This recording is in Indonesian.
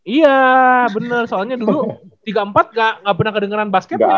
iya bener soalnya dulu tiga puluh empat ga pernah kedengeran basketnya ya